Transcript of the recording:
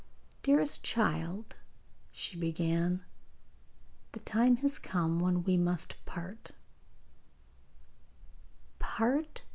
'Dearest child,' she began, 'the time has come when we must part.' 'Part?